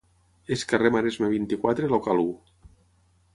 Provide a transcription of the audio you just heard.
És carrer Maresme, vint-i-quatre, local u.